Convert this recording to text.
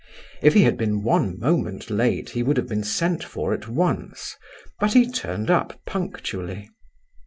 If he had been one moment late, he would have been sent for at once; but he turned up punctually.